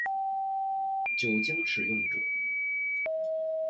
酒精使用者